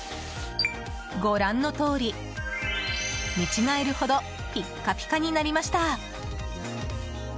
ご覧のとおり、見違えるほどピッカピカになりました。